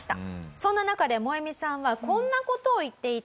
そんな中でモエミさんはこんな事を言っていたんです。